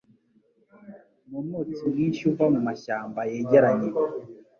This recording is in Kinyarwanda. numwotsi mwinshi uva mumashyamba yegeranye